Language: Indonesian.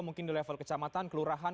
mungkin di level kecamatan ke lurahan